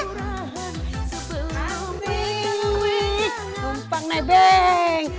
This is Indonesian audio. hariwi rumpang nebeng